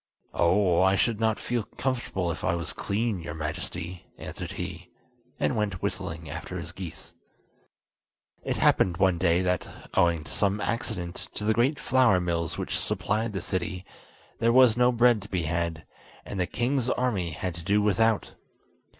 "Oh, I should not feel comfortable if I was clean, your Majesty," answered he, and went whistling after his geese. It happened one day that, owing to some accident to the great flour mills which supplied the city, there was no bread to be had, and the king's army had to do without.